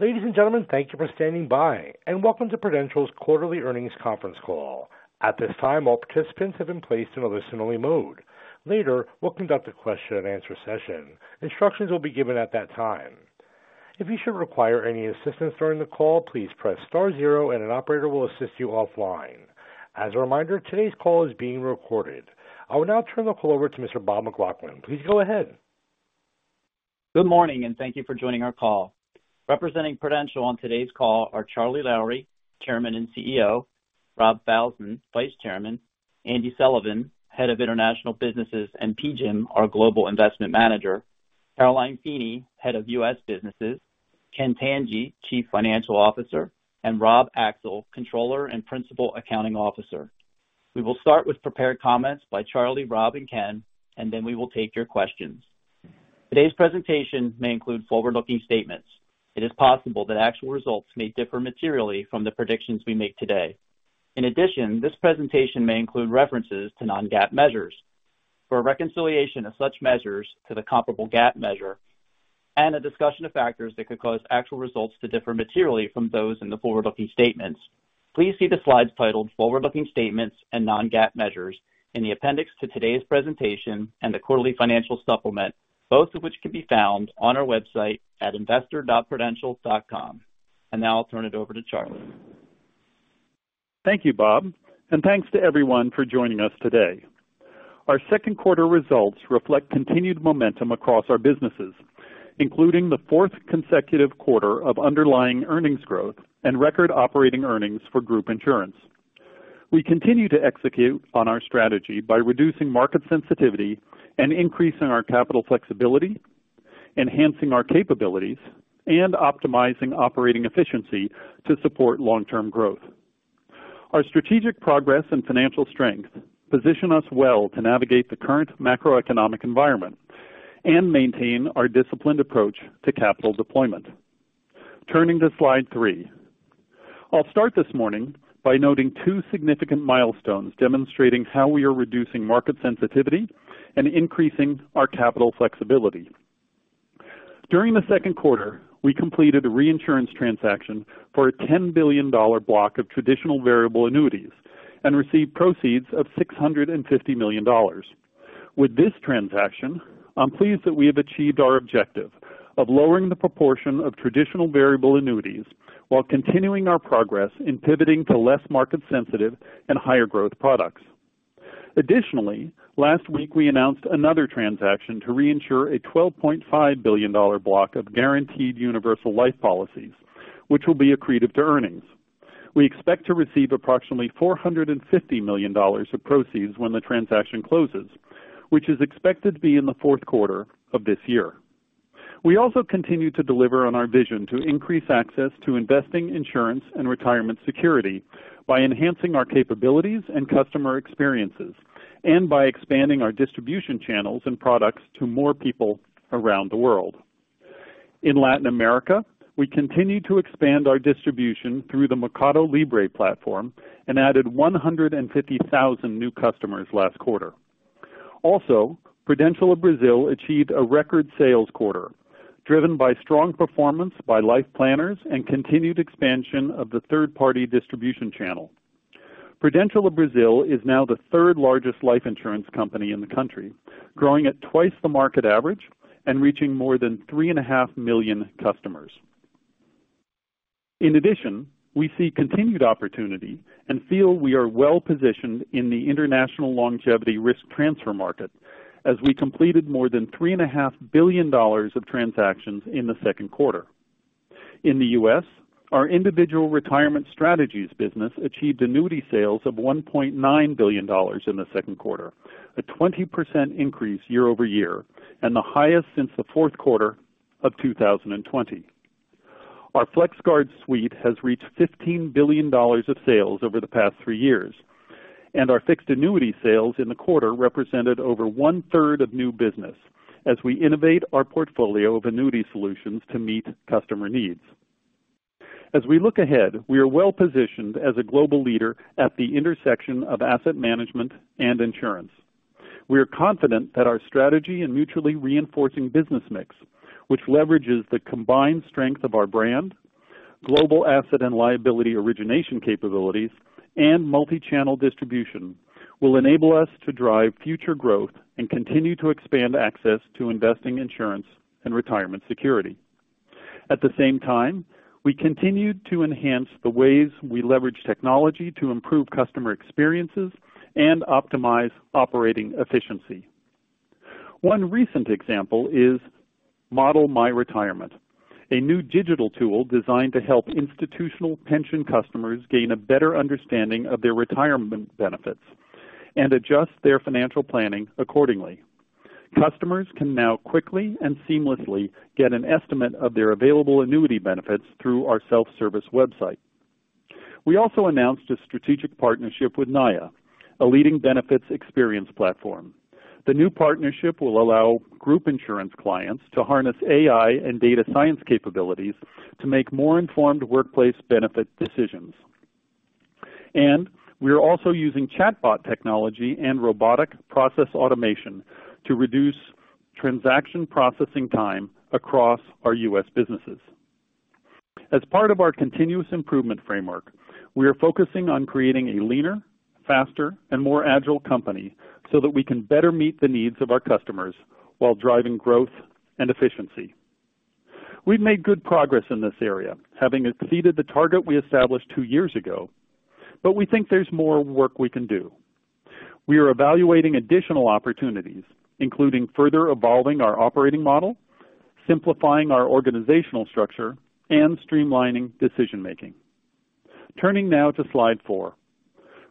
Ladies and gentlemen, thank you for standing by, and welcome to Prudential's quarterly earnings conference call. At this time, all participants have been placed in a listen-only mode. Later, we'll conduct a question-and-answer session. Instructions will be given at that time. If you should require any assistance during the call, please press star zero and an operator will assist you offline. As a reminder, today's call is being recorded. I will now turn the call over to Mr. Bob Falzon. Please go ahead. Good morning, and thank you for joining our call. Representing Prudential on today's call are Charlie Lowrey, Chairman and Chief Executive Officer; Bob Falzon, Vice Chairman; Andy Sullivan, Head of International Businesses and PGIM, our global investment manager; Caroline Feeney, Head of U.S. Businesses; Ken Tanji, Chief Financial Officer, and Rob Axel, Controller and Principal Accounting Officer. We will start with prepared comments by Charlie, Rob, and Ken, and then we will take your questions. Today's presentation may include forward-looking statements. It is possible that actual results may differ materially from the predictions we make today. In addition, this presentation may include references to non-GAAP measures. For a reconciliation of such measures to the comparable GAAP measure and a discussion of factors that could cause actual results to differ materially from those in the forward-looking statements, please see the slides titled Forward-Looking Statements and non-GAAP Measures in the appendix to today's presentation and the quarterly financial supplement, both of which can be found on our website at investor.prudential.com. Now I'll turn it over to Charlie. Thank you, Bob. Thanks to everyone for joining us today. Our second quarter results reflect continued momentum across our businesses, including the fourth consecutive quarter of underlying earnings growth and record operating earnings for group insurance. We continue to execute on our strategy by reducing market sensitivity and increasing our capital flexibility, enhancing our capabilities, and optimizing operating efficiency to support long-term growth. Our strategic progress and financial strength position us well to navigate the current macroeconomic environment and maintain our disciplined approach to capital deployment. Turning to slide three. I'll start this morning by noting two significant milestones demonstrating how we are reducing market sensitivity and increasing our capital flexibility. During the second quarter, we completed a reinsurance transaction for a $10 billion block of traditional variable annuities and received proceeds of $650 million. With this transaction, I'm pleased that we have achieved our objective of lowering the proportion of traditional variable annuities while continuing our progress in pivoting to less market sensitive and higher growth products. Additionally, last week, we announced another transaction to reinsure a $12.5 billion block of guaranteed universal life policies, which will be accretive to earnings. We expect to receive approximately $450 million of proceeds when the transaction closes, which is expected to be in the fourth quarter of this year. We also continue to deliver on our vision to increase access to investing, insurance, and retirement security by enhancing our capabilities and customer experiences and by expanding our distribution channels and products to more people around the world. In Latin America, we continue to expand our distribution through the Mercado Libre platform and added 150,000 new customers last quarter. Prudential of Brazil achieved a record sales quarter, driven by strong performance by life planners and continued expansion of the third-party distribution channel. Prudential of Brazil is now the third-largest life insurance company in the country, growing at twice the market average and reaching more than $3.5 million customers. We see continued opportunity and feel we are well-positioned in the international longevity risk transfer market as we completed more than $3.5 billion of transactions in the second quarter. In the U.S., our Individual Retirement Strategies business achieved annuity sales of $1.9 billion in the second quarter, a 20% increase year-over-year, and the highest since the fourth quarter of 2020. Our FlexGuard Suite has reached $15 billion of sales over the past three years, and our fixed annuity sales in the quarter represented over one-third of new business as we innovate our portfolio of annuity solutions to meet customer needs. As we look ahead, we are well-positioned as a global leader at the intersection of asset management and insurance. We are confident that our strategy and mutually reinforcing business mix, which leverages the combined strength of our brand, global asset and liability origination capabilities, and multi-channel distribution, will enable us to drive future growth and continue to expand access to investing, insurance, and retirement security. At the same time, we continued to enhance the ways we leverage technology to improve customer experiences and optimize operating efficiency. One recent example is Model My Retirement, a new digital tool designed to help institutional pension customers gain a better understanding of their retirement benefits and adjust their financial planning accordingly. Customers can now quickly and seamlessly get an estimate of their available annuity benefits through our self-service website. We also announced a strategic partnership with Naya, a leading benefits experience platform. The new partnership will allow group insurance clients to harness AI and data science capabilities to make more informed workplace benefit decisions. We are also using chatbot technology and robotic process automation to reduce transaction processing time across our U.S. businesses. As part of our continuous improvement framework, we are focusing on creating a leaner, faster, and more agile company so that we can better meet the needs of our customers while driving growth and efficiency. We've made good progress in this area, having exceeded the target we established two years ago. We think there's more work we can do. We are evaluating additional opportunities, including further evolving our operating model, simplifying our organizational structure, and streamlining decision-making. Turning now to slide four.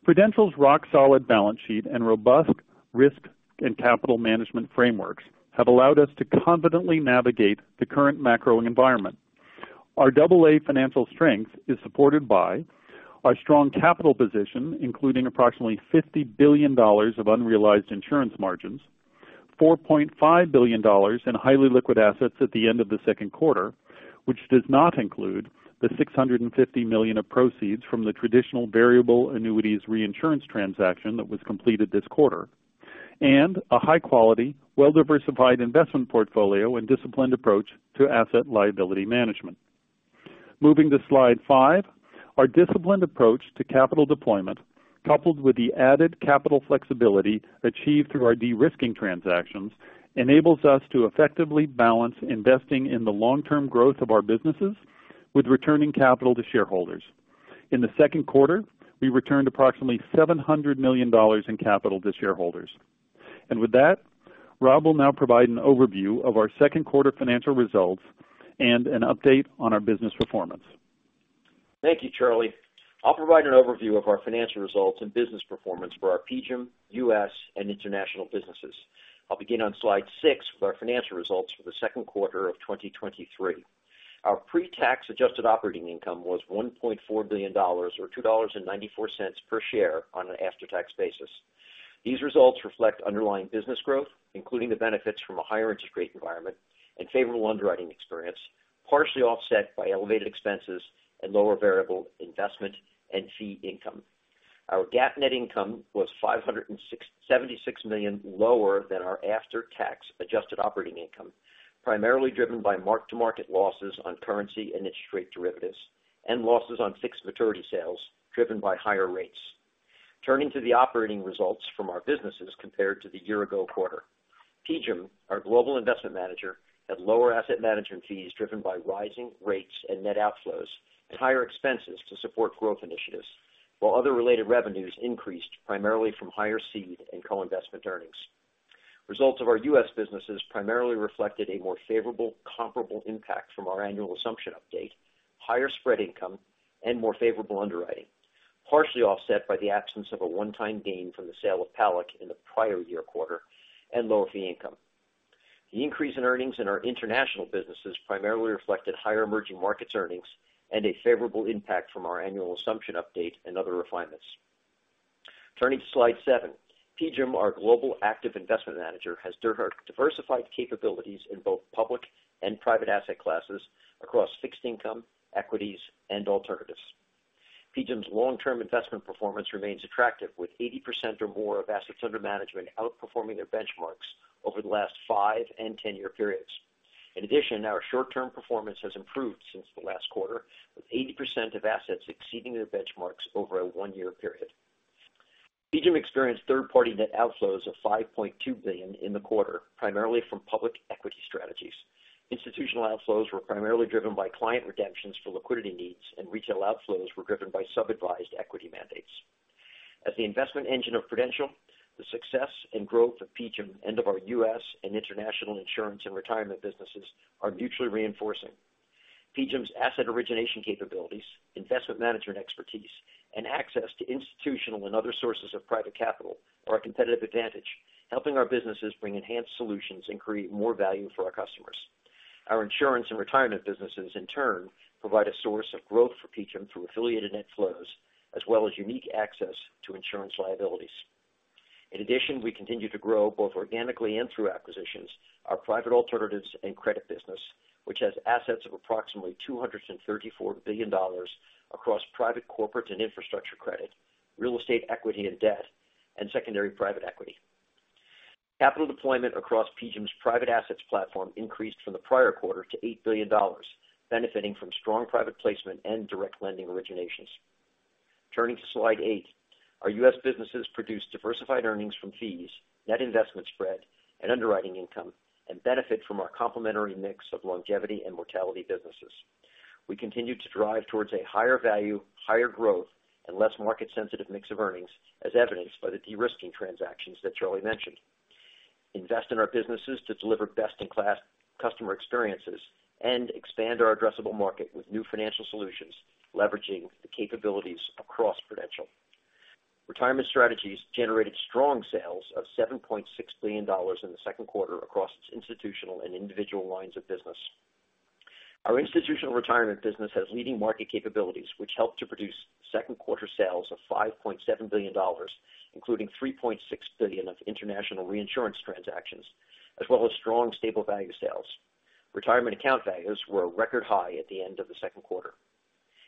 Prudential's rock-solid balance sheet and robust risk and capital management frameworks have allowed us to confidently navigate the current macro environment. Our AA financial strength is supported by our strong capital position, including approximately $50 billion of unrealized insurance margins, $4.5 billion in highly liquid assets at the end of the second quarter, which does not include the $650 million of proceeds from the traditional variable annuities reinsurance transaction that was completed this quarter, and a high-quality, well-diversified investment portfolio and disciplined approach to asset liability management. Moving to slide five. Our disciplined approach to capital deployment, coupled with the added capital flexibility achieved through our de-risking transactions, enables us to effectively balance investing in the long-term growth of our businesses with returning capital to shareholders. In the second quarter, we returned approximately $700 million in capital to shareholders. With that, Rob will now provide an overview of our second quarter financial results and an update on our business performance. Thank you, Charlie. I'll provide an overview of our financial results and business performance for our PGIM, U.S., and international businesses. I'll begin on slide six with our financial results for the second quarter of 2023. Our pre-tax adjusted operating income was $1.4 billion, or $2.94 per share on an after-tax basis. These results reflect underlying business growth, including the benefits from a higher interest rate environment and favorable underwriting experience, partially offset by elevated expenses and lower variable investment and fee income. Our GAAP net income was $576 million lower than our after-tax adjusted operating income, primarily driven by mark-to-market losses on currency and interest rate derivatives, and losses on fixed maturity sales, driven by higher rates. Turning to the operating results from our businesses compared to the year-ago quarter. PGIM, our global investment manager, had lower asset management fees, driven by rising rates and net outflows, and higher expenses to support growth initiatives, while other related revenues increased primarily from higher seed and co-investment earnings. Results of our U.S. businesses primarily reflected a more favorable, comparable impact from our annual assumption update, higher spread income, and more favorable underwriting, partially offset by the absence of a one-time gain from the sale of PALAC in the prior year quarter and lower fee income. The increase in earnings in our international businesses primarily reflected higher emerging markets earnings and a favorable impact from our annual assumption update and other refinements. Turning to slide seven. PGIM, our global active investment manager, has diversified capabilities in both public and private asset classes across fixed income, equities, and alternatives. PGIM's long-term investment performance remains attractive, with 80% or more of assets under management outperforming their benchmarks over the last five and 10-year periods. In addition, our short-term performance has improved since the last quarter, with 80% of assets exceeding their benchmarks over a one-year period. PGIM experienced third-party net outflows of $5.2 billion in the quarter, primarily from public equity strategies. Institutional outflows were primarily driven by client redemptions for liquidity needs, and retail outflows were driven by sub-advised equity mandates. As the investment engine of Prudential, the success and growth of PGIM and of our U.S. and international insurance and retirement businesses are mutually reinforcing. PGIM's asset origination capabilities, investment management expertise, and access to institutional and other sources of private capital are a competitive advantage, helping our businesses bring enhanced solutions and create more value for our customers. Our insurance and retirement businesses, in turn, provide a source of growth for PGIM through affiliated net flows, as well as unique access to insurance liabilities. In addition, we continue to grow, both organically and through acquisitions, our private alternatives and credit business, which has assets of approximately $234 billion across private corporate and infrastructure credit, real estate equity and debt, and secondary private equity. Capital deployment across PGIM's private assets platform increased from the prior quarter to $8 billion, benefiting from strong private placement and direct lending originations. Turning to slide eight. Our U.S. businesses produced diversified earnings from fees, net investment spread, and underwriting income, and benefit from our complementary mix of longevity and mortality businesses. We continued to drive towards a higher value, higher growth, and less market-sensitive mix of earnings, as evidenced by the de-risking transactions that Charlie mentioned, invest in our businesses to deliver best-in-class customer experiences, and expand our addressable market with new financial solutions, leveraging the capabilities across Prudential. Retirement Strategies generated strong sales of $7.6 billion in the second quarter across its institutional and individual lines of business. Our institutional retirement business has leading market capabilities, which helped to produce second quarter sales of $5.7 billion, including $3.6 billion of international reinsurance transactions, as well as strong, stable value sales. Retirement account values were a record high at the end of the second quarter.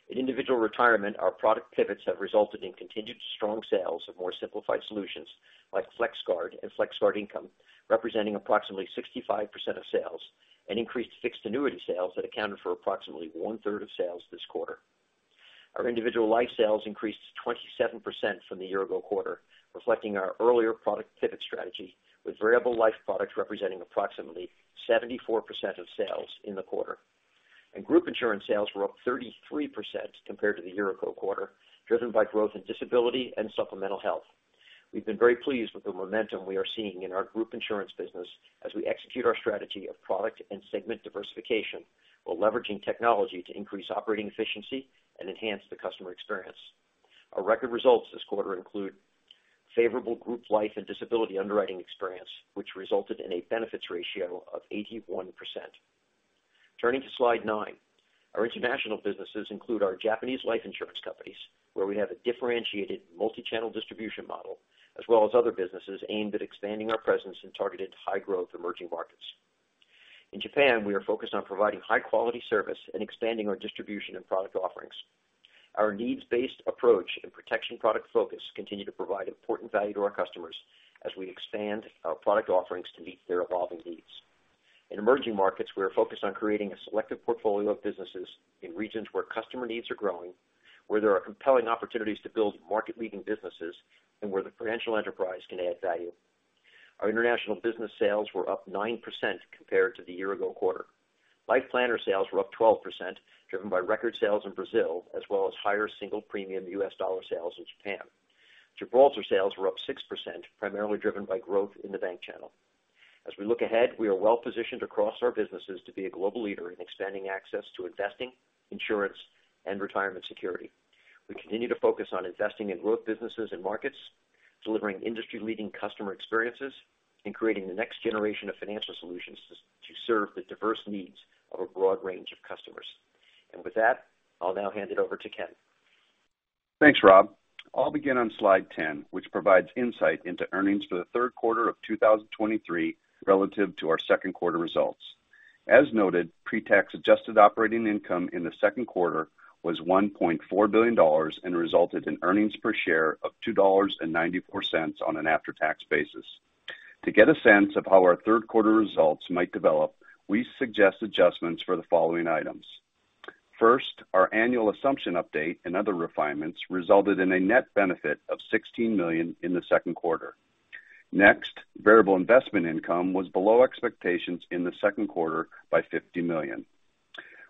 In individual retirement, our product pivots have resulted in continued strong sales of more simplified solutions like FlexGuard and FlexGuard Income, representing approximately 65% of sales, and increased fixed annuity sales that accounted for approximately one-third of sales this quarter. Our individual life sales increased 27% from the year-ago quarter, reflecting our earlier product pivot strategy, with variable life products representing approximately 74% of sales in the quarter. Group insurance sales were up 33% compared to the year-ago quarter, driven by growth in disability and supplemental health. We've been very pleased with the momentum we are seeing in our group insurance business as we execute our strategy of product and segment diversification, while leveraging technology to increase operating efficiency and enhance the customer experience. Our record results this quarter include favorable group life and disability underwriting experience, which resulted in a benefits ratio of 81%. Turning to slide nine. Our international businesses include our Japanese life insurance companies, where we have a differentiated multi-channel distribution model, as well as other businesses aimed at expanding our presence in targeted high-growth emerging markets. In Japan, we are focused on providing high-quality service and expanding our distribution and product offerings. Our needs-based approach and protection product focus continue to provide important value to our customers as we expand our product offerings to meet their evolving needs. In emerging markets, we are focused on creating a selective portfolio of businesses in regions where customer needs are growing, where there are compelling opportunities to build market-leading businesses, and where the Prudential enterprise can add value. Our international business sales were up 9% compared to the year-ago quarter. Life planner sales were up 12%, driven by record sales in Brazil, as well as higher single premium U.S dollar sales in Japan. Gibraltar sales were up 6%, primarily driven by growth in the bank channel. As we look ahead, we are well positioned across our businesses to be a global leader in expanding access to investing, insurance, and retirement security. We continue to focus on investing in growth businesses and markets, delivering industry-leading customer experiences, and creating the next generation of financial solutions to serve the diverse needs of a broad range of customers. With that, I'll now hand it over to Ken. Thanks, Rob. I'll begin on slide 10, which provides insight into earnings for the third quarter of 2023 relative to our second quarter results. As noted, pre-tax adjusted operating income in the second quarter was $1.4 billion and resulted in earnings per share of $2.94 on an after-tax basis. To get a sense of how our third quarter results might develop, we suggest adjustments for the following items. First, our annual assumption update and other refinements resulted in a net benefit of $16 million in the second quarter. Variable investment income was below expectations in the second quarter by $50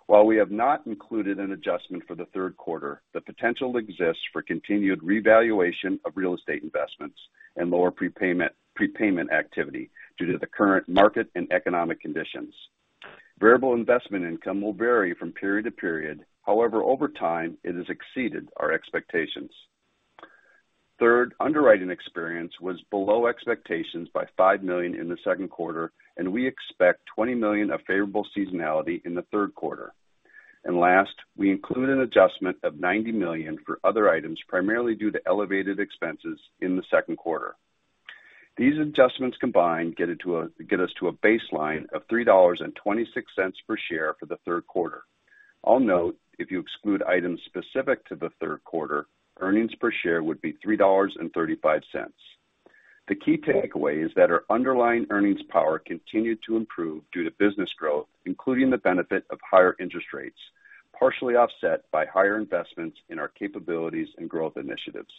million. While we have not included an adjustment for the third quarter, the potential exists for continued revaluation of real estate investments and lower prepayment, prepayment activity due to the current market and economic conditions. Variable investment income will vary from period to period. However, over time, it has exceeded our expectations. Third, underwriting experience was below expectations by $5 million in the second quarter. We expect $20 million of favorable seasonality in the third quarter. Last, we include an adjustment of $90 million for other items, primarily due to elevated expenses in the second quarter. These adjustments combined get us to a baseline of $3.26 per share for the third quarter. I'll note, if you exclude items specific to the third quarter, earnings per share would be $3.35. The key takeaway is that our underlying earnings power continued to improve due to business growth, including the benefit of higher interest rates, partially offset by higher investments in our capabilities and growth initiatives.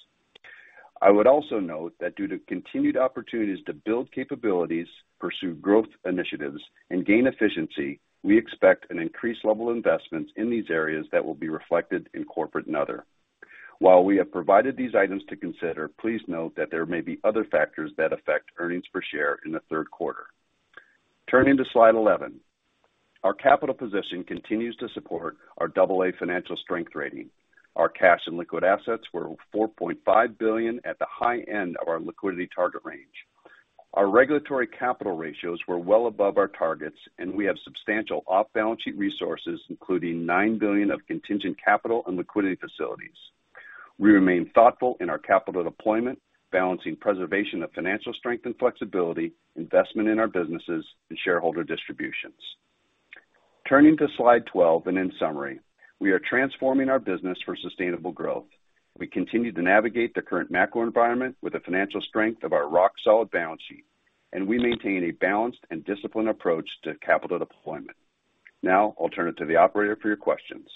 I would also note that due to continued opportunities to build capabilities, pursue growth initiatives, and gain efficiency, we expect an increased level of investments in these areas that will be reflected in corporate and other. While we have provided these items to consider, please note that there may be other factors that affect earnings per share in the third quarter. Turning to slide 11. Our capital position continues to support our AA financial strength rating. Our cash and liquid assets were $4.5 billion at the high end of our liquidity target range. Our regulatory capital ratios were well above our targets, and we have substantial off-balance sheet resources, including $9 billion of contingent capital and liquidity facilities. We remain thoughtful in our capital deployment, balancing preservation of financial strength and flexibility, investment in our businesses, and shareholder distributions. Turning to slide 12, in summary, we are transforming our business for sustainable growth. We continue to navigate the current macro environment with the financial strength of our rock-solid balance sheet, we maintain a balanced and disciplined approach to capital deployment. Now, I'll turn it to the operator for your questions.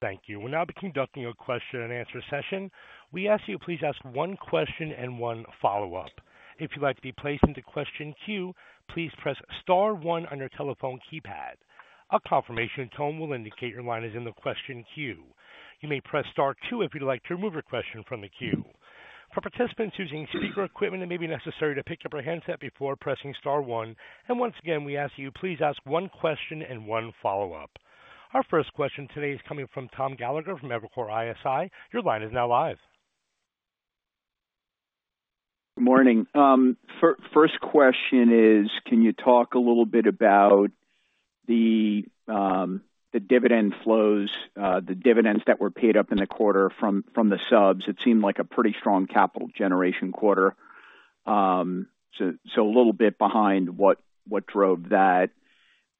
Thank you. We'll now be conducting a question-and-answer session. We ask you to please ask one question and one follow-up. If you'd like to be placed into question queue, please press star one on your telephone keypad. A confirmation tone will indicate your line is in the question queue. You may press star call if you'd like to remove your question from the queue. For participants using speaker equipment, it may be necessary to pick up your handset before pressing star one. Once again, we ask you, please ask one question and one follow-up. Our first question today is coming from Tom Gallagher from Evercore ISI. Your line is now live. Morning. First question is, can you talk a little bit about... the dividend flows, the dividends that were paid up in the quarter from, from the subs, it seemed like a pretty strong capital generation quarter. A little bit behind what, what drove that?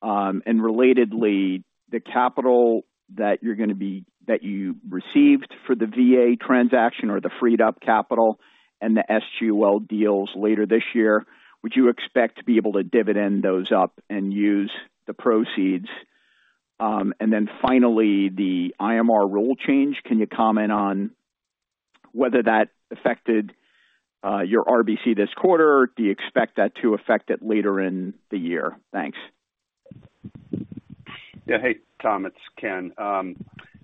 Relatedly, the capital that you received for the VA transaction or the freed up capital and the SG Well deals later this year, would you expect to be able to dividend those up and use the proceeds? Finally, the IMR rule change. Can you comment on whether that affected your RBC this quarter? Do you expect that to affect it later in the year? Thanks. Yeah. Hey, Tom, it's Ken.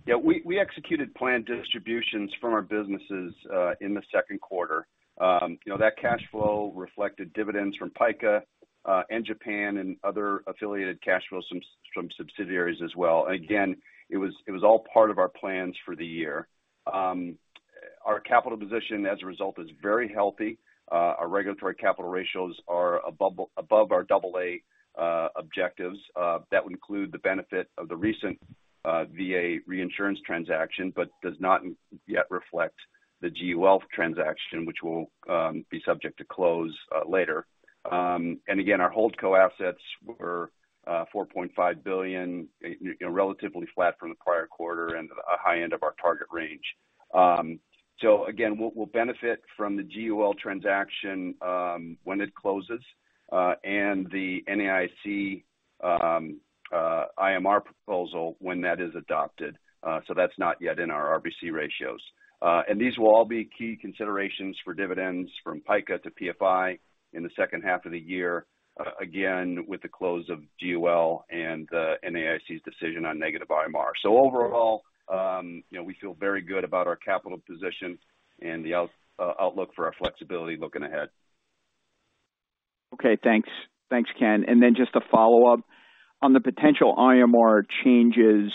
Yeah, we, we executed planned distributions from our businesses in the second quarter. You know, that cash flow reflected dividends from PICA and Japan and other affiliated cash flows from, from subsidiaries as well. Again, it was, it was all part of our plans for the year. Our capital position as a result, is very healthy. Our regulatory capital ratios are above, above our AA objectives. That would include the benefit of the recent VA reinsurance transaction, but does not yet reflect the GUL transaction, which will be subject to close later. Again, our holdco assets were $4.5 billion, you know, relatively flat from the prior quarter and a high end of our target range. Again, we'll, we'll benefit from the GUL transaction when it closes and the NAIC IMR proposal when that is adopted. That's not yet in our RBC ratios. These will all be key considerations for dividends from PICA to PFI in the second half of the year, again, with the close of GUL and the NAIC's decision on negative IMR. Overall, you know, we feel very good about our capital position and the outlook for our flexibility looking ahead. Okay, thanks. Thanks, Ken. Then just a follow-up. On the potential IMR changes,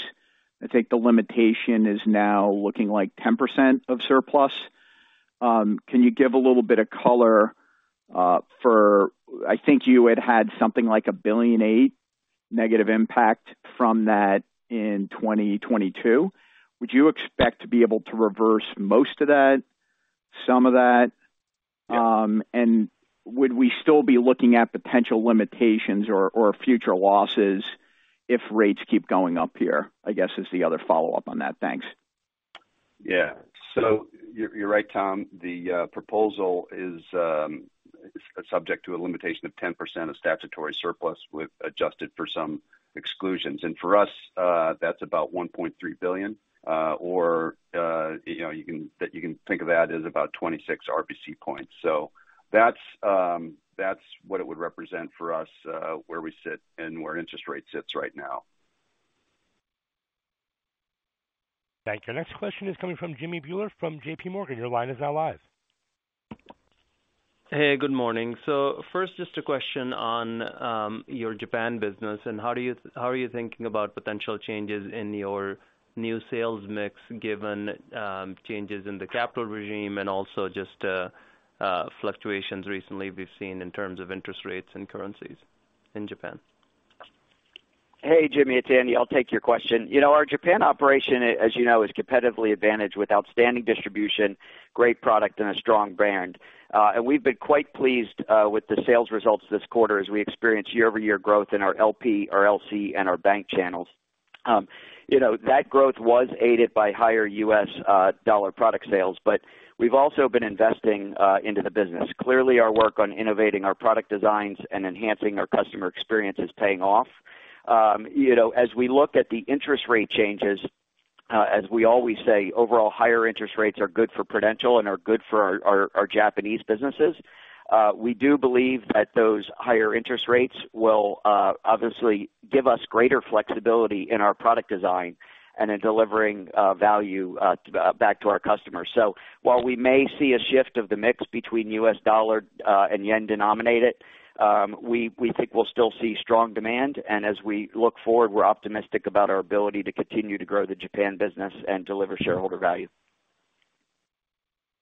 I think the limitation is now looking like 10% of surplus. Can you give a little bit of color for. I think you had had something like a $1.8 billion negative impact from that in 2022. Would you expect to be able to reverse most of that? Some of that? Would we still be looking at potential limitations or, or future losses if rates keep going up here? I guess, is the other follow-up on that. Thanks. Yeah. You're, you're right, Tom. The proposal is subject to a limitation of 10% of statutory surplus, with adjusted for some exclusions. For us, that's about $1.3 billion, or, you know, you can think of that as about 26 RBC points. That's what it would represent for us, where we sit and where interest rate sits right now. Thank you. Next question is coming from Jimmy Bhullar from J.P. Morgan. Your line is now live. Hey, good morning. First, just a question on your Japan business, and how are you thinking about potential changes in your new sales mix, given changes in the capital regime and also just fluctuations recently we've seen in terms of interest rates and currencies in Japan? Hey, Jimmy, it's Andy. I'll take your question. You know, our Japan operation, as you know, is competitively advantaged with outstanding distribution, great product, and a strong brand. We've been quite pleased with the sales results this quarter as we experience year-over-year growth in our LP, our LC, and our bank channels. You know, that growth was aided by higher U.S. dollar product sales, but we've also been investing into the business. Clearly, our work on innovating our product designs and enhancing our customer experience is paying off. You know, as we look at the interest rate changes, as we always say, overall, higher interest rates are good for Prudential and are good for our, our, our Japanese businesses. We do believe that those higher interest rates will obviously give us greater flexibility in our product design and in delivering value back to our customers. While we may see a shift of the mix between U.S. dollar and yen-denominated, we, we think we'll still see strong demand. As we look forward, we're optimistic about our ability to continue to grow the Japan business and deliver shareholder value.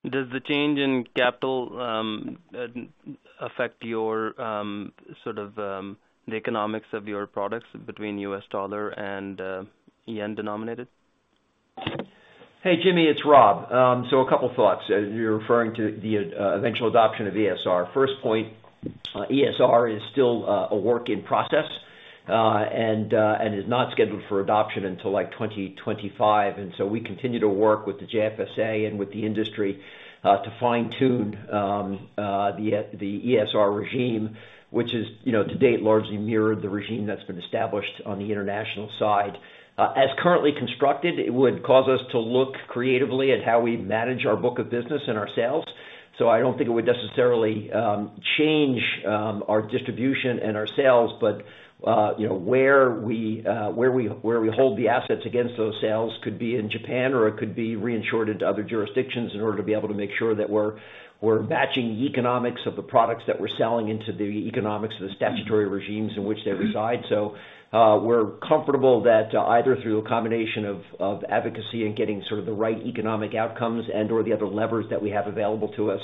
Does the change in capital affect your sort of the economics of your products between U.S. dollar and yen denominated? Hey, Jimmy, it's Rob. A couple of thoughts. As you're referring to the eventual adoption of ESR. First point, ESR is still a work in process, and is not scheduled for adoption until, like, 2025. We continue to work with the JFSA and with the industry to fine-tune the ESR regime, which is, you know, to date, largely mirrored the regime that's been established on the international side. As currently constructed, it would cause us to look creatively at how we manage our book of business and our sales. I don't think it would necessarily change our distribution and our sales, but, you know, where we, where we, where we hold the assets against those sales could be in Japan, or it could be reinsured into other jurisdictions in order to be able to make sure that we're, we're matching the economics of the products that we're selling into the economics of the statutory regimes in which they reside. We're comfortable that either through a combination of, of advocacy and getting sort of the right economic outcomes and or the other levers that we have available to us,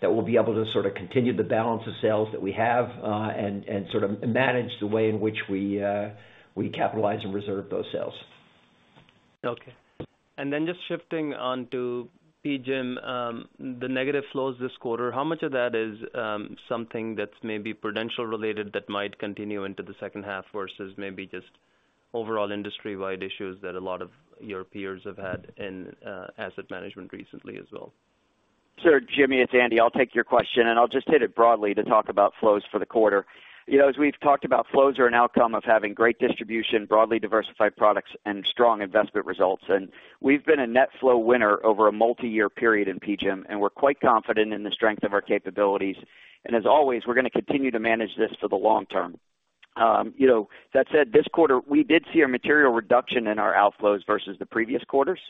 that we'll be able to sort of continue the balance of sales that we have, and, and sort of manage the way in which we capitalize and reserve those sales. Okay. Then just shifting on to PGIM, the negative flows this quarter, how much of that is something that's maybe Prudential related that might continue into the second half, versus maybe just overall industry-wide issues that a lot of your peers have had in asset management recently as well? Sure, Jimmy, it's Andy. I'll take your question, and I'll just hit it broadly to talk about flows for the quarter. You know, as we've talked about, flows are an outcome of having great distribution, broadly diversified products, and strong investment results. We've been a net flow winner over a multi-year period in PGIM, and we're quite confident in the strength of our capabilities. As always, we're going to continue to manage this for the long term. You know, that said, this quarter, we did see a material reduction in our outflows versus the previous quarters.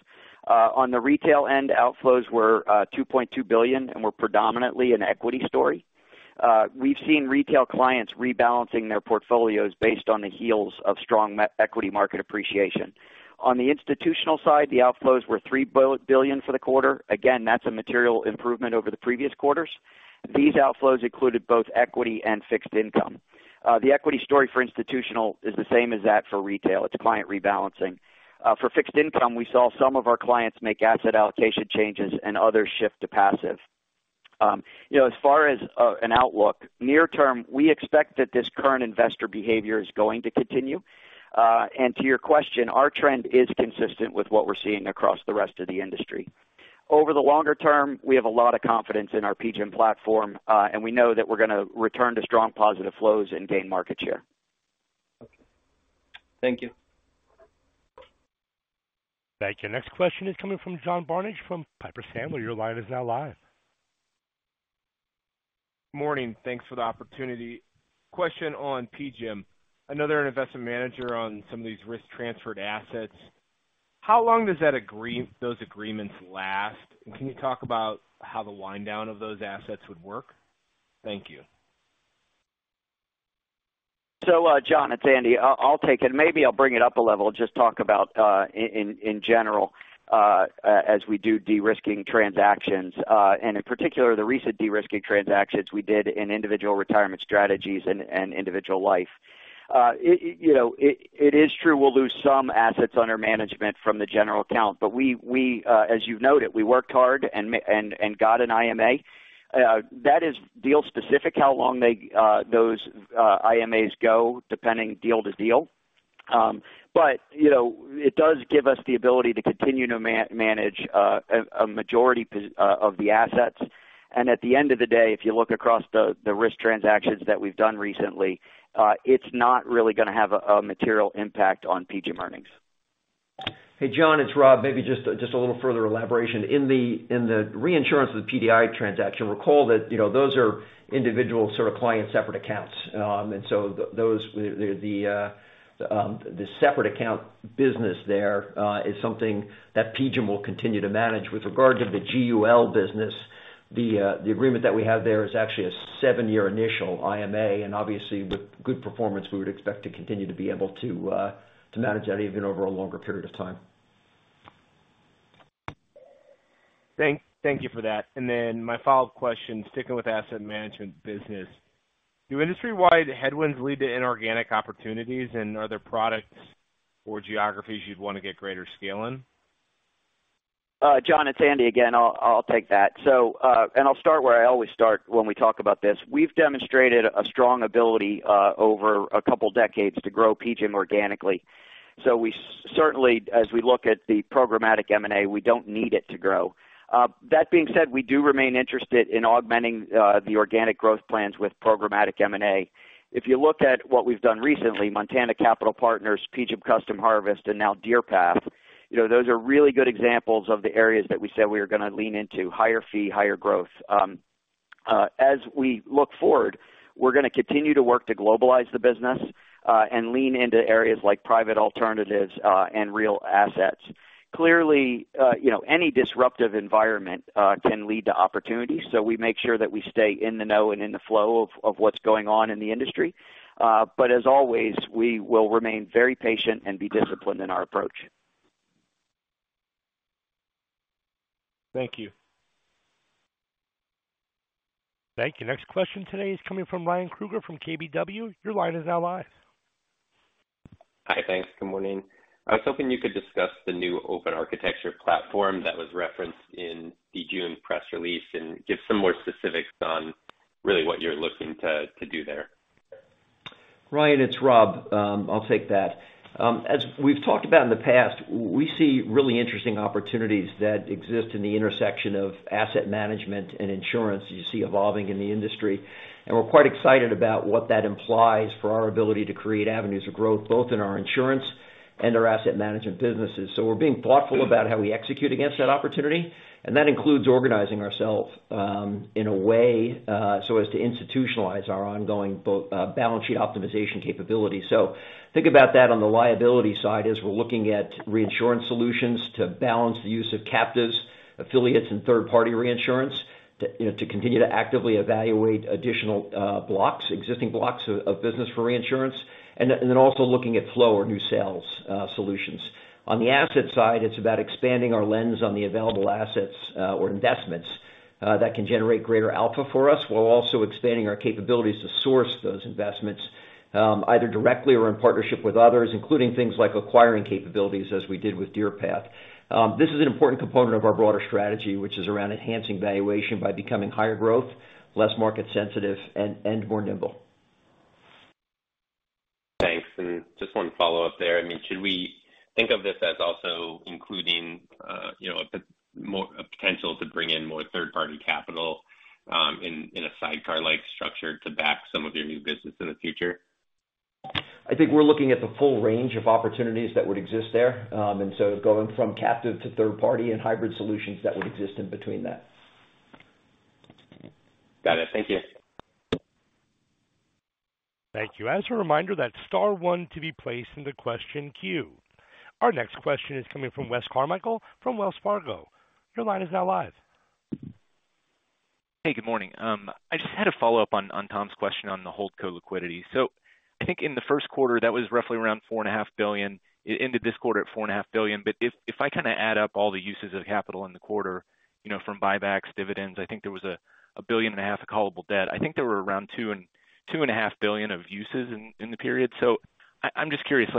On the retail end, outflows were $2.2 billion and were predominantly an equity story. We've seen retail clients rebalancing their portfolios based on the heels of strong equity market appreciation. On the institutional side, the outflows were $3 billion for the quarter. Again, that's a material improvement over the previous quarters. These outflows included both equity and fixed income. The equity story for institutional is the same as that for retail. It's client rebalancing. For fixed income, we saw some of our clients make asset allocation changes and others shift to passive. You know, as far as an outlook, near term, we expect that this current investor behavior is going to continue. To your question, our trend is consistent with what we're seeing across the rest of the industry. Over the longer term, we have a lot of confidence in our PGIM platform, we know that we're going to return to strong positive flows and gain market share. Okay. Thank you. Thank you. Next question is coming from John Barnidge from Piper Sandler. Your line is now live. Morning, thanks for the opportunity. Question on PGIM, another investment manager on some of these risk-transferred assets. How long does that those agreements last? Can you talk about how the wind down of those assets would work? Thank you. John, it's Andy. I'll take it. Maybe I'll bring it up a level, just talk about in general, as we do de-risking transactions, and in particular, the recent de-risking transactions we did in Individual Retirement Strategies and individual life. It, you know, it is true we'll lose some assets under management from the general account, but we, as you've noted, we worked hard and got an IMA. That is deal specific, how long those IMAs go, depending deal to deal. You know, it does give us the ability to continue to manage a majority of the assets. At the end of the day, if you look across the, the risk transactions that we've done recently, it's not really going to have a, a material impact on PGIM earnings. Hey, John, it's Rob. Maybe just, just a little further elaboration. In the reinsurance with PDI transaction, recall that, you know, those are individual sort of client separate accounts. So those, the separate account business there is something that PGIM will continue to manage. With regard to the GUL business, the agreement that we have there is actually a seven-year initial IMA, and obviously, with good performance, we would expect to continue to be able to manage that even over a longer period of time. Thank, thank you for that. Then my follow-up question, sticking with asset management business, do industry-wide headwinds lead to inorganic opportunities and are there products or geographies you'd want to get greater scale in? John, it's Andy again. I'll, I'll take that. And I'll start where I always start when we talk about this. We've demonstrated a strong ability over a couple of decades to grow PGIM organically. We certainly, as we look at the programmatic M&A, we don't need it to grow. That being said, we do remain interested in augmenting the organic growth plans with programmatic M&A. If you look at what we've done recently, Montana Capital Partners, PGIM Custom Harvest, and now Deerpath, you know, those are really good examples of the areas that we said we were going to lean into higher fee, higher growth. As we look forward, we're going to continue to work to globalize the business and lean into areas like private alternatives and real assets. Clearly, you know, any disruptive environment, can lead to opportunities, so we make sure that we stay in the know and in the flow of, of what's going on in the industry. As always, we will remain very patient and be disciplined in our approach. Thank you. Thank you. Next question today is coming from Ryan Krueger from KBW. Your line is now live. Hi, thanks. Good morning. I was hoping you could discuss the new open architecture platform that was referenced in the June press release, and give some more specifics on really what you're looking to, to do there. Ryan, it's Rob. I'll take that. As we've talked about in the past, we see really interesting opportunities that exist in the intersection of asset management and insurance you see evolving in the industry, and we're quite excited about what that implies for our ability to create avenues of growth, both in our insurance and our asset management businesses. We're being thoughtful about how we execute against that opportunity, and that includes organizing ourselves in a way so as to institutionalize our ongoing both balance sheet optimization capabilities. Think about that on the liability side, as we're looking at reinsurance solutions to balance the use of captives, affiliates, and third-party reinsurance, to, you know, to continue to actively evaluate additional blocks, existing blocks of business for reinsurance, and then, and then also looking at flow or new sales solutions. On the asset side, it's about expanding our lens on the available assets, or investments, that can generate greater alpha for us, while also expanding our capabilities to source those investments, either directly or in partnership with others, including things like acquiring capabilities, as we did with Deerpath. This is an important component of our broader strategy, which is around enhancing valuation by becoming higher growth, less market sensitive, and, and more nimble. Just one follow-up there. I mean, should we think of this as also including, you know, a more, a potential to bring in more third-party capital, in, in a sidecar-like structure to back some of your new business in the future? I think we're looking at the full range of opportunities that would exist there. Going from captive to third party and hybrid solutions that would exist in between that. Got it. Thank you. Thank you. As a reminder, that's star one to be placed in the question queue. Our next question is coming from Wes Carmichael from Wells Fargo. Your line is now live. Hey, good morning. I just had a follow-up on Tom's question on the holdco liquidity. I think in the first quarter, that was roughly around $4.5 billion. It ended this quarter at $4.5 billion. If I kind of add up all the uses of capital in the quarter, from buybacks, dividends, I think there was a $1.5 billion of callable debt. I think there were around $2.5 billion of uses in the period. I'm just curious,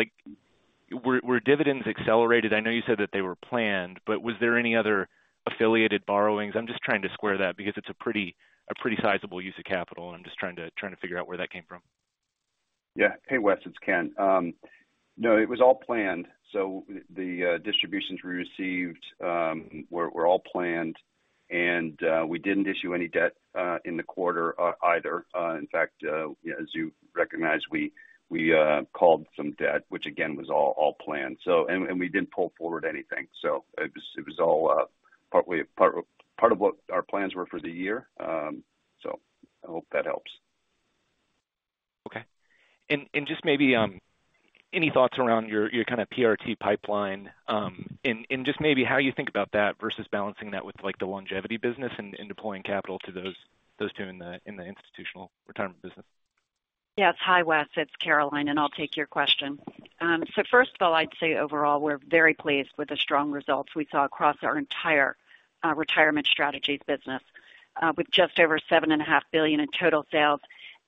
were dividends accelerated? I know you said that they were planned, but was there any other affiliated borrowings? I'm just trying to square that because it's a pretty sizable use of capital, and I'm just trying to figure out where that came from. Yeah. Hey, Wes, it's Ken. No, it was all planned. The distributions we received, were all planned, and we didn't issue any debt in the quarter either. In fact, as you recognize, we called some debt, which again, was all planned. We didn't pull forward anything. It was all part of what our plans were for the year. I hope that helps. Okay. Just maybe, any thoughts around your, your kind of PRT pipeline, and just maybe how you think about that versus balancing that with, like, the longevity business and deploying capital to those, those two in the institutional retirement business? Yes. Hi, Wes. It's Caroline, and I'll take your question. First of all, I'd say overall, we're very pleased with the strong results we saw across our entire Retirement Strategies business, with just over $7.5 billion in total sales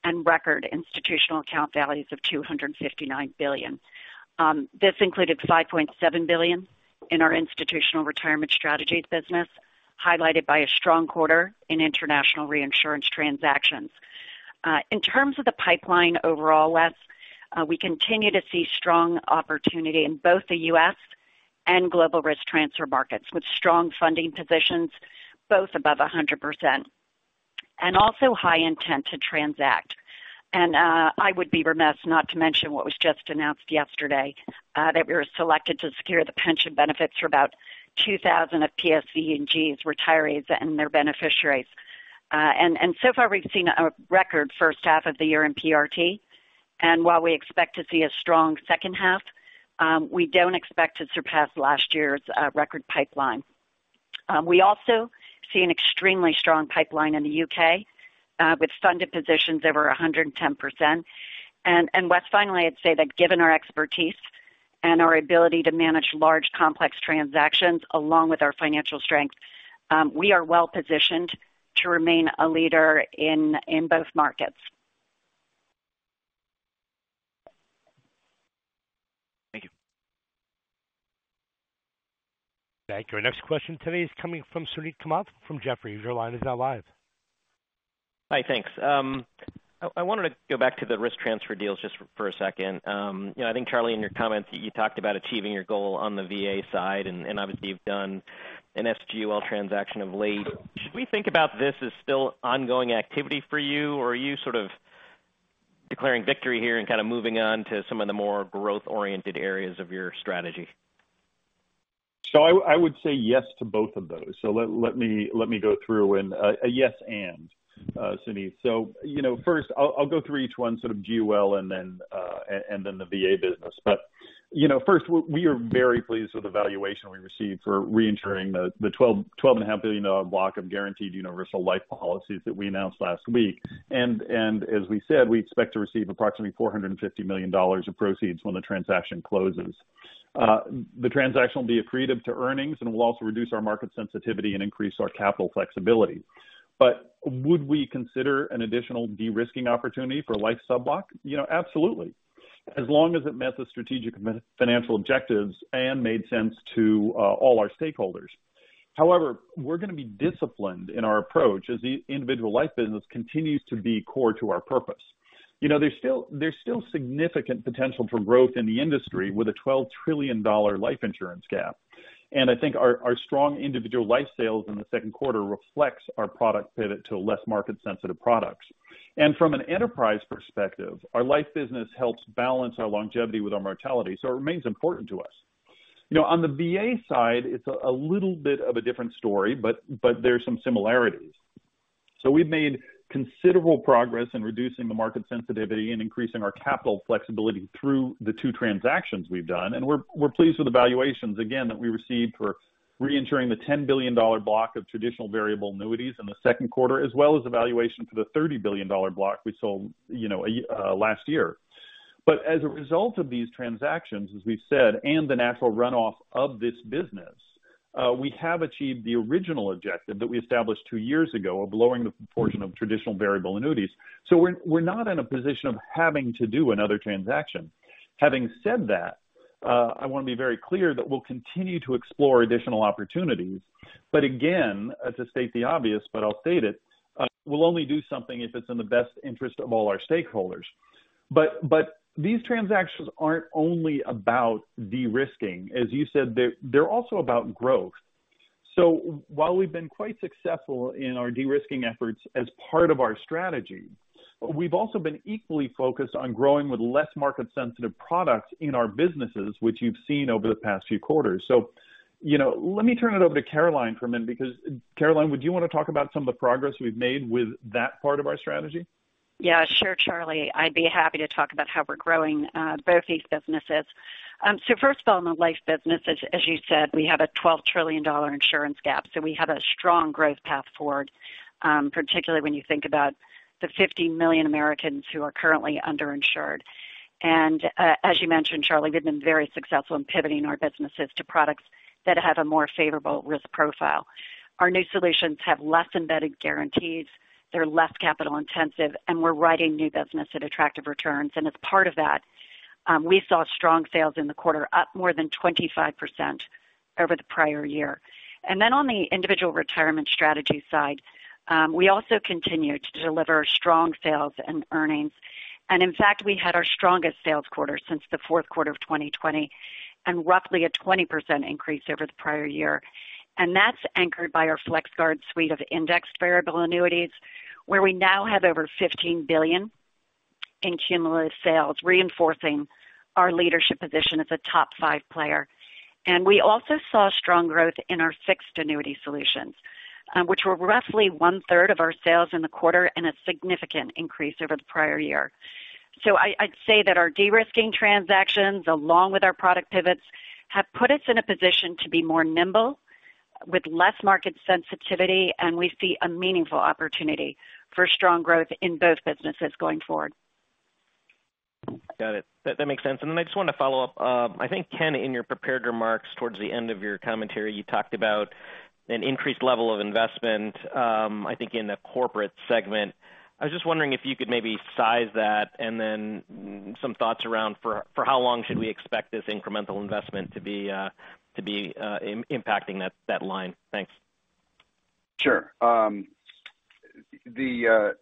and record institutional account values of $259 billion. This included $5.7 billion in our institutional Retirement Strategies business, highlighted by a strong quarter in international reinsurance transactions. In terms of the pipeline overall, Wes, we continue to see strong opportunity in both the U.S. and global risk transfer markets, with strong funding positions, both above 100%, and also high intent to transact. I would be remiss not to mention what was just announced yesterday that we were selected to secure the pension benefits for about 2,000 of PSE&G's retirees and their beneficiaries. And so far, we've seen a record first half of the year in PRT, and while we expect to see a strong second half, we don't expect to surpass last year's record pipeline. We also see an extremely strong pipeline in the U.K with funded positions over 110%. Wes, finally, I'd say that given our expertise and our ability to manage large, complex transactions along with our financial strength, we are well positioned to remain a leader in both markets. Thank you. Thank you. Our next question today is coming from Suneet Kamath from Jefferies. Your line is now live. Hi, thanks. I, I wanted to go back to the risk transfer deals just for a second. you know, I think, Charlie, in your comments, you talked about achieving your goal on the VA side, and, and obviously you've done an SGOL transaction of late. Should we think about this as still ongoing activity for you, or are you sort of declaring victory here and kind of moving on to some of the more growth-oriented areas of your strategy? I would say yes to both of those. Let, let me, let me go through and a yes, and Suneet. You know, first, I'll, I'll go through each one, sort of GUL and then and then the VA business. You know, first, we, we are very pleased with the valuation we received for reinsuring the $12 billion-$12.5 billion block of Guaranteed Universal Life policies that we announced last week. As we said, we expect to receive approximately $450 million of proceeds when the transaction closes. The transaction will be accretive to earnings and will also reduce our market sensitivity and increase our capital flexibility. Would we consider an additional de-risking opportunity for a life subblock? You know, absolutely. As long as it met the strategic and financial objectives and made sense to all our stakeholders. However, we're going to be disciplined in our approach as the individual life business continues to be core to our purpose. You know, there's still, there's still significant potential for growth in the industry with a $12 trillion life insurance gap. I think our, our strong individual life sales in the second quarter reflects our product pivot to less market-sensitive products. From an enterprise perspective, our life business helps balance our longevity with our mortality, so it remains important to us. You know, on the VA side, it's a little bit of a different story, but, but there are some similarities. We've made considerable progress in reducing the market sensitivity and increasing our capital flexibility through the two transactions we've done, and we're, we're pleased with the valuations, again, that we received for reinsuring the $10 billion block of traditional variable annuities in the second quarter, as well as the valuation for the $30 billion block we sold, you know, last year. As a result of these transactions, as we've said, and the natural runoff of this business, we have achieved the original objective that we established two years ago of lowering the proportion of traditional variable annuities. We're, we're not in a position of having to do another transaction. Having said that, I want to be very clear that we'll continue to explore additional opportunities. Again, to state the obvious, but I'll state it, we'll only do something if it's in the best interest of all our stakeholders. These transactions aren't only about de-risking, as you said, they're, they're also about growth. While we've been quite successful in our de-risking efforts as part of our strategy, we've also been equally focused on growing with less market sensitive products in our businesses, which you've seen over the past few quarters. You know, let me turn it over to Caroline for a minute, because, Caroline, would you want to talk about some of the progress we've made with that part of our strategy? Yeah, sure, Charlie. I'd be happy to talk about how we're growing both these businesses. First of all, in the life business, as you said, we have a $12 trillion insurance gap, so we have a strong growth path forward, particularly when you think about the 50 million Americans who are currently underinsured. As you mentioned, Charlie, we've been very successful in pivoting our businesses to products that have a more favorable risk profile. Our new solutions have less embedded guarantees, they're less capital intensive, and we're writing new business at attractive returns. As part of that, we saw strong sales in the quarter, up more than 25% over the prior year. On the Individual Retirement Strategies side, we also continued to deliver strong sales and earnings. In fact, we had our strongest sales quarter since the fourth quarter of 2020, and roughly a 20% increase over the prior year. That's anchored by our FlexGuard Suite of indexed variable annuities, where we now have over $15 billion in cumulative sales, reinforcing our leadership position as a top five player. We also saw strong growth in our fixed annuity solutions, which were roughly one-third of our sales in the quarter and a significant increase over the prior year. I, I'd say that our de-risking transactions, along with our product pivots, have put us in a position to be more nimble with less market sensitivity, and we see a meaningful opportunity for strong growth in both businesses going forward. Got it. That, that makes sense. Then I just want to follow up. I think, Ken, in your prepared remarks, towards the end of your commentary, you talked about an increased level of investment, I think in the corporate segment. I was just wondering if you could maybe size that and then some thoughts around for, for how long should we expect this incremental investment to be impacting that, that line? Thanks. Sure. The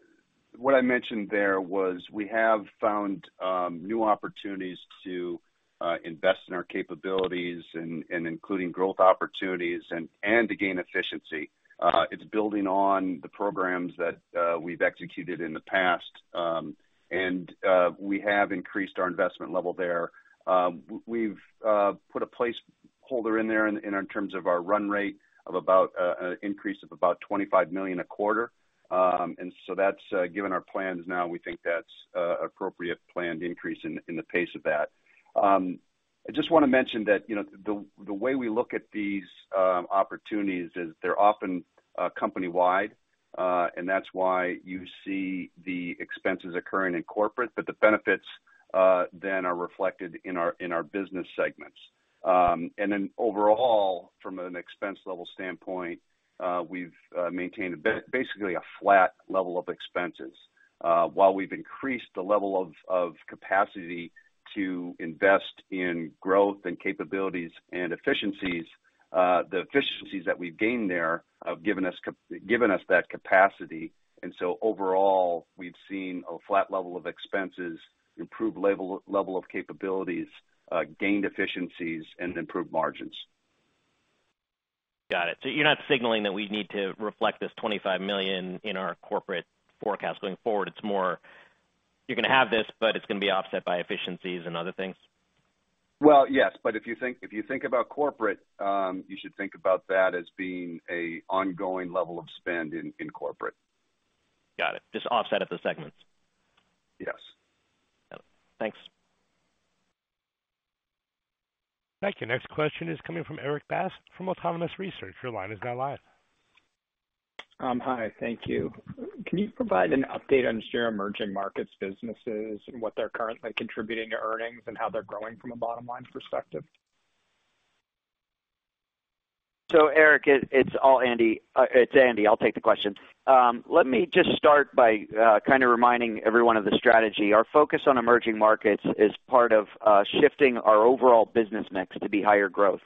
what I mentioned there was we have found new opportunities to invest in our capabilities and, and including growth opportunities and, and to gain efficiency. It's building on the programs that we've executed in the past, and we have increased our investment level there. We've put a placeholder in there in, in terms of our run rate of about an increase of about $25 million a quarter. That's given our plans now, we think that's appropriate planned increase in, in the pace of that. I just want to mention that, you know, the the way we look at these opportunities is they're often company-wide, and that's why you see the expenses occurring in corporate, but the benefits then are reflected in our, in our business segments. Then overall, from an expense level standpoint, we've maintained basically a flat level of expenses. While we've increased the level of capacity to invest in growth and capabilities and efficiencies, the efficiencies that we've gained there have given us that capacity. Overall, we've seen a flat level of expenses, improved level, level of capabilities, gained efficiencies, and improved margins. Got it. You're not signaling that we need to reflect this $25 million in our corporate forecast going forward. It's more you're going to have this, but it's going to be offset by efficiencies and other things? Yes, if you think, if you think about corporate, you should think about that as being a ongoing level of spend in, in corporate. Got it. Just offset at the segments. Yes. Got it. Thanks. Thank you. Next question is coming from Erik Bass, from Autonomous Research. Your line is now live. Hi. Thank you. Can you provide an update on share emerging markets, businesses, and what they're currently contributing to earnings and how they're growing from a bottom-line perspective? Eric, it, it's all Andy. It's Andy, I'll take the question. Let me just start by kind of reminding everyone of the strategy. Our focus on emerging markets is part of shifting our overall business mix to be higher growth.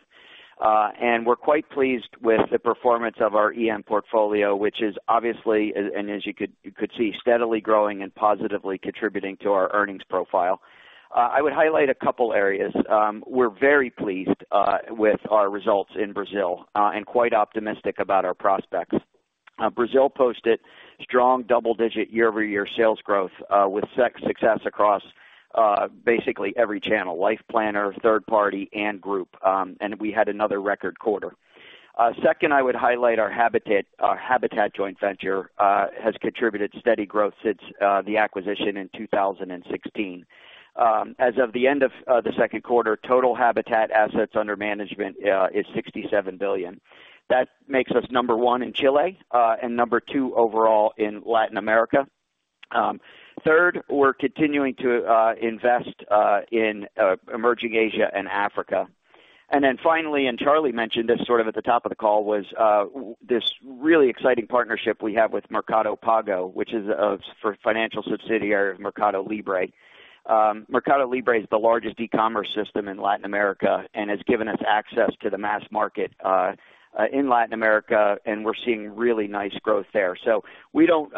We're quite pleased with the performance of our EM portfolio, which is obviously, and as you could, you could see, steadily growing and positively contributing to our earnings profile. I would highlight a couple areas. We're very pleased with our results in Brazil and quite optimistic about our prospects. Brazil posted strong double-digit year-over-year sales growth with success across basically every channel, life planner, third party, and group. We had another record quarter. Second, I would highlight our Habitat. Our Habitat joint venture has contributed steady growth since the acquisition in 2016. As of the end of the second quarter, total Habitat assets under management is $67 billion. That makes us number one in Chile and number two overall in Latin America. Third, we're continuing to invest in emerging Asia and Africa. Then finally, and Charlie mentioned this sort of at the top of the call, was this really exciting partnership we have with Mercado Pago, which is for financial subsidiary of Mercado Libre. Mercado Libre is the largest e-commerce system in Latin America and has given us access to the mass market in Latin America, and we're seeing really nice growth there. We don't,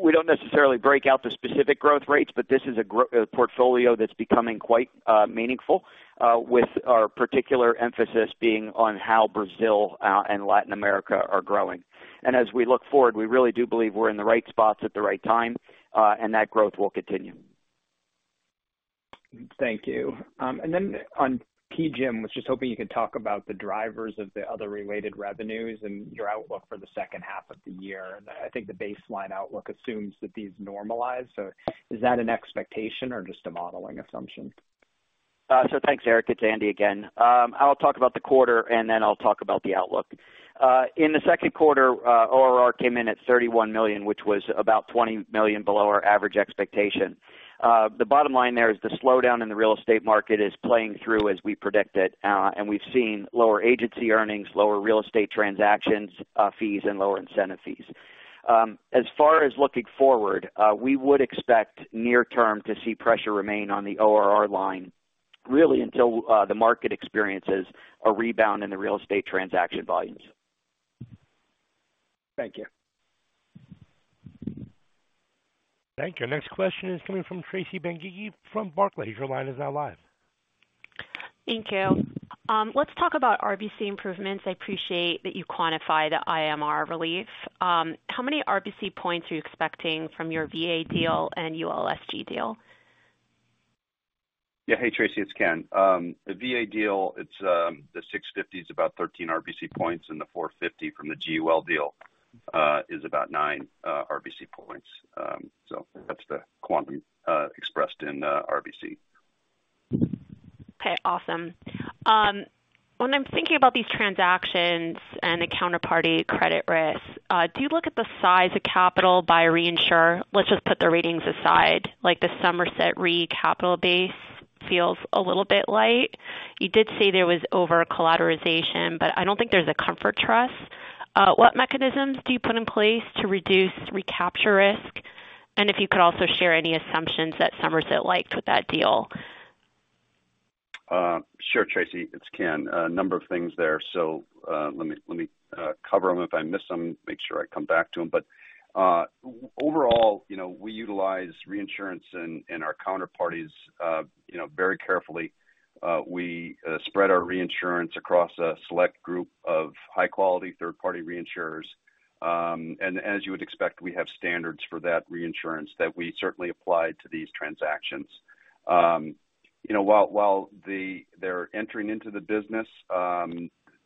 we don't necessarily break out the specific growth rates, but this is a portfolio that's becoming quite meaningful, with our particular emphasis being on how Brazil and Latin America are growing. As we look forward, we really do believe we're in the right spots at the right time, and that growth will continue. Thank you. Then on PGIM, was just hoping you could talk about the drivers of the other related revenues and your outlook for the second half of the year. I think the baseline outlook assumes that these normalize. Is that an expectation or just a modeling assumption? Thanks, Eric Bass. It's Andy Sullivan again. I'll talk about the quarter, then I'll talk about the outlook. In the second quarter, ORR came in at $31 million, which was about $20 million below our average expectation. The bottom line there is the slowdown in the real estate market is playing through as we predicted, and we've seen lower agency earnings, lower real estate transactions, fees, and lower incentive fees. As far as looking forward, we would expect near term to see pressure remain on the ORR line, really, until the market experiences a rebound in the real estate transaction volumes. Thank you. Thank you. Next question is coming from Tracy Benguigui from Barclays. Your line is now live. Thank you. Let's talk about RBC improvements. I appreciate that you quantify the IMR relief. How many RBC points are you expecting from your VA deal and ULSG deal? Yeah. Hey, Tracy, it's Ken. The VA deal, it's the 650 is about 13 RBC points, and the 450 from the GUL deal is about 9 RBC points. That's the quantum expressed in RBC. Okay, awesome. When I'm thinking about these transactions and the counterparty credit risk, do you look at the size of capital by reinsurer? Let's just put the ratings aside, like the Somerset Re capital base feels a little bit light. You did say there was over-collateralization, but I don't think there's a comfort trust. What mechanisms do you put in place to reduce recapture risk? If you could also share any assumptions that Somerset liked with that deal. sure, Tracy, it's Ken. A number of things there, let me, let me cover them. If I miss them, make sure I come back to them. overall, you know, we utilize reinsurance and, and our counterparties, you know, very carefully. We spread our reinsurance across a select group of high-quality third-party reinsurers. As you would expect, we have standards for that reinsurance that we certainly applied to these transactions. you know, while, while they're entering into the business,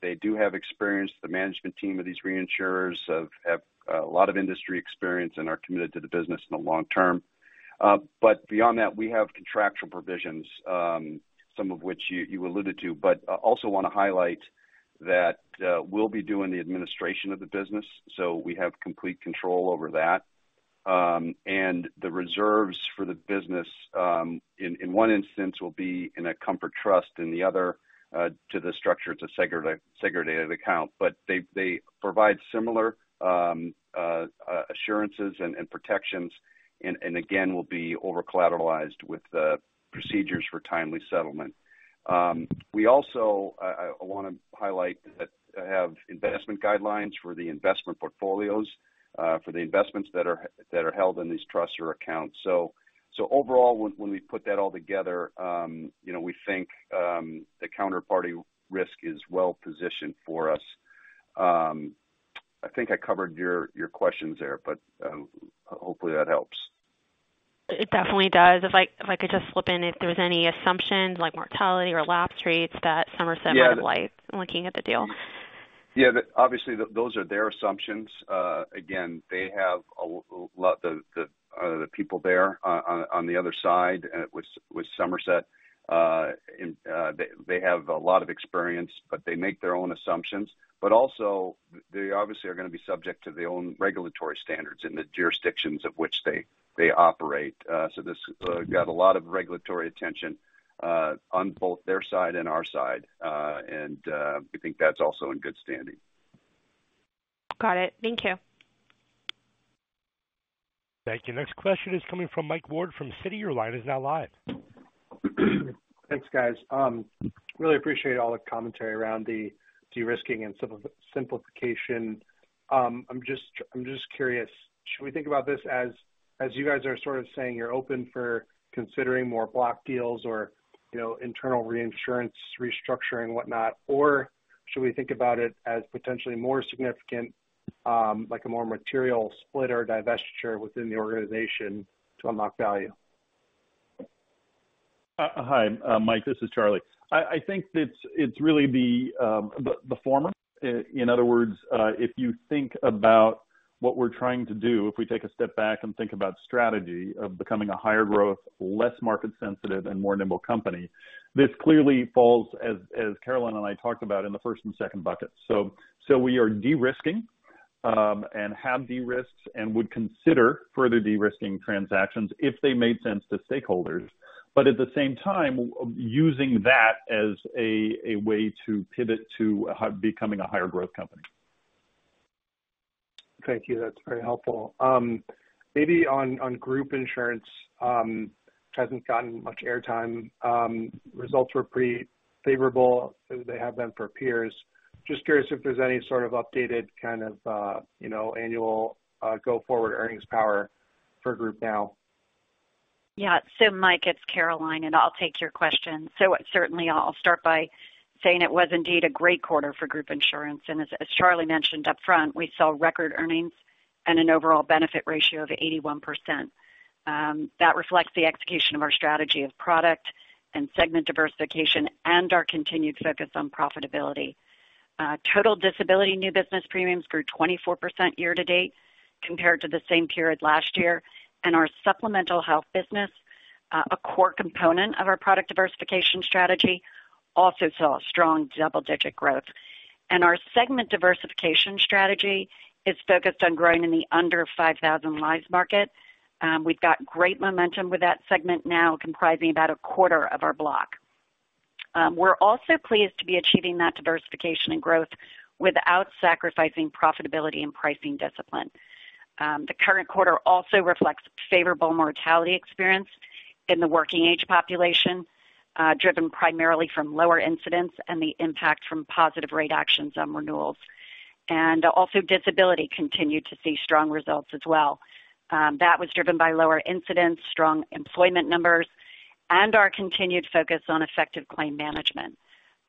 they do have experience. The management team of these reinsurers have, have a lot of industry experience and are committed to the business in the long term. Beyond that, we have contractual provisions, some of which you, you alluded to, but also want to highlight that we'll be doing the administration of the business, so we have complete control over that. The reserves for the business, in, in one instance, will be in a comfort trust, in the other, to the structure, it's a segregated account, but they, they provide similar assurances and protections, and again, will be over-collateralized with procedures for timely settlement. We also, I want to highlight that I have investment guidelines for the investment portfolios, for the investments that are, that are held in these trusts or accounts. Overall, when, when we put that all together, you know, we think, the counterparty risk is well positioned for us. I think I covered your, your questions there, but, hopefully that helps. It definitely does. If I, if I could just slip in if there was any assumptions like mortality or LP rates that Somerset Re- Yeah. liked looking at the deal. Yeah, obviously, those are their assumptions. Again, they have a lot of experience, but they make their own assumptions. Also, they obviously are going to be subject to their own regulatory standards in the jurisdictions of which they operate. This got a lot of regulatory attention on both their side and our side, and we think that's also in good standing. Got it. Thank you. Thank you. Next question is coming from Mike Ward from Citi. Your line is now live. Thanks, guys. Really appreciate all the commentary around the de-risking and simplification. I'm just curious, should we think about this as, as you guys are sort of saying, you're open for considering more block deals or, you know, internal reinsurance, restructuring, whatnot? Should we think about it as potentially more significant, like a more material split or divestiture within the organization to unlock value? Hi, Mike, this is Charlie. I, I think it's, it's really the, the, the former. In other words, if you think about what we're trying to do, if we take a step back and think about strategy of becoming a higher growth, less market sensitive, and more nimble company, this clearly falls, as Caroline and I talked about, in the first and second bucket. We are de-risking. Have de-risked and would consider further de-risking transactions if they made sense to stakeholders, but at the same time, using that as a, a way to pivot to becoming a higher growth company. Thank you. That's very helpful. Maybe on, on group insurance, hasn't gotten much airtime. Results were pretty favorable as they have been for peers. Just curious if there's any sort of updated kind of, you know, annual, go forward earnings power for group now? Yeah. Mike, it's Caroline, I'll take your question. Certainly I'll start by saying it was indeed a great quarter for group insurance. As, as Charlie mentioned up front, we saw record earnings and an overall benefit ratio of 81%. That reflects the execution of our strategy of product and segment diversification and our continued focus on profitability. Total disability new business premiums grew 24% year to date, compared to the same period last year. Our supplemental health business, a core component of our product diversification strategy, also saw a strong double-digit growth. Our segment diversification strategy is focused on growing in the under 5,000 lives market. We've got great momentum with that segment now, comprising about a quarter of our block. We're also pleased to be achieving that diversification and growth without sacrificing profitability and pricing discipline. The current quarter also reflects favorable mortality experience in the working age population, driven primarily from lower incidents and the impact from positive rate actions on renewals. Also, disability continued to see strong results as well. That was driven by lower incidents, strong employment numbers, and our continued focus on effective claim management.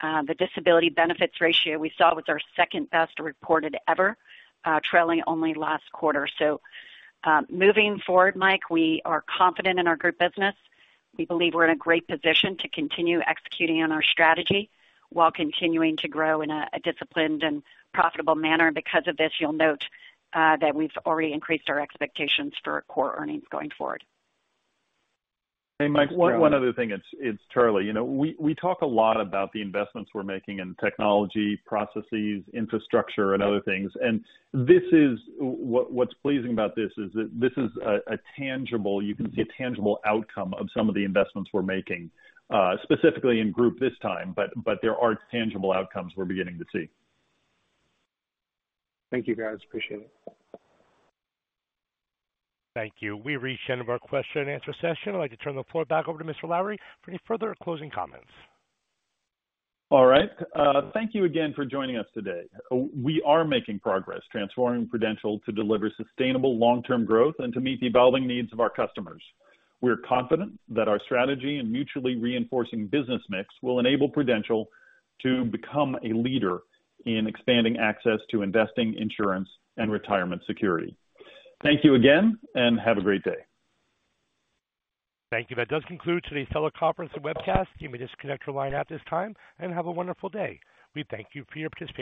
The disability benefits ratio we saw was our second best reported ever, trailing only last quarter. Moving forward, Mike, we are confident in our group business. We believe we're in a great position to continue executing on our strategy while continuing to grow in a disciplined and profitable manner. Because of this, you'll note, that we've already increased our expectations for our core earnings going forward. Hey, Mike, one, one other thing, it's, it's Charlie. You know, we, we talk a lot about the investments we're making in technology, processes, infrastructure, and other things. This is what's pleasing about this is that this is a, a tangible, you can see a tangible outcome of some of the investments we're making, specifically in group this time, but there are tangible outcomes we're beginning to see. Thank you, guys. Appreciate it. Thank you. We've reached the end of our question and answer session. I'd like to turn the floor back over to Mr. Lowrey for any further closing comments. All right. Thank you again for joining us today. We are making progress transforming Prudential to deliver sustainable long-term growth and to meet the evolving needs of our customers. We're confident that our strategy and mutually reinforcing business mix will enable Prudential to become a leader in expanding access to investing, insurance, and retirement security. Thank you again, and have a great day. Thank you. That does conclude today's teleconference and webcast. You may disconnect your line at this time and have a wonderful day. We thank you for your participation.